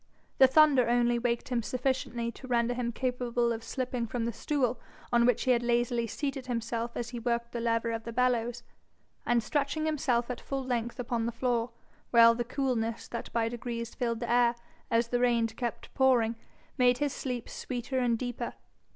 The thunder only waked him sufficiently to render him capable of slipping from the stool on which he had lazily seated himself as he worked the lever of the bellows, and stretching himself at full length upon the floor; while the coolness that by degrees filled the air as the rain kept pouring, made his sleep sweeter and deeper.